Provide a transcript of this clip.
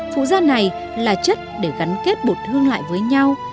phụ da này là chất để gắn kết bột hương lại với nhau